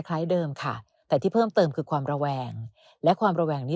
เดิมค่ะแต่ที่เพิ่มเติมคือความระแวงและความระแวงนี้